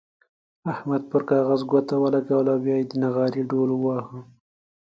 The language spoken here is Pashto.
احمد پر کاغذ ګوته ولګوله او بيا يې د نغارې ډوهل وواهه.